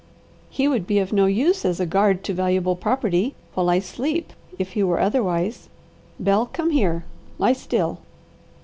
He would be of no use as a guard to valuable property while I sleep if he were otherwise. Bel, come here! Lie still."